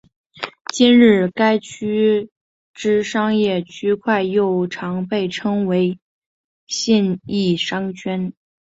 今日该区内之商业区块又常被称为信义商圈。